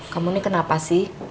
kamu ini kenapa sih